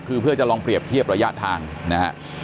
คือเพื่อจะลองเปรียบเทียบระยะทางนะฮะ